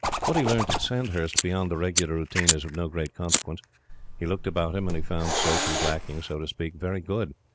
What he learnt at Sandhurst beyond the regular routine is of no great consequence. He looked about him, and he found soap and blacking, so to speak, very good.